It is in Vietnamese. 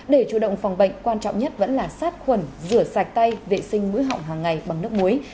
để chủ động phòng bệnh quan trọng nhất vẫn là sát khuẩn rửa sạch tay vệ sinh mũi họng hàng ngày bằng nước muối